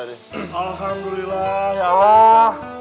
alhamdulillah ya allah